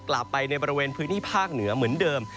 กลับไปในบริเวณพื้นที่ภาคเหนือเหมือนเดิม